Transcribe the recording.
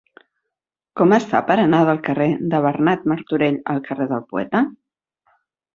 Com es fa per anar del carrer de Bernat Martorell al carrer del Poeta?